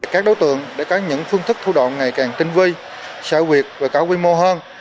các đối tượng đã có những phương thức thu đoạn ngày càng tinh vi sở việt và cả quy mô hơn